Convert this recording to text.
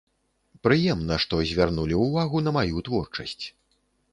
Прыемна, што звярнулі ўвагу на маю творчасць.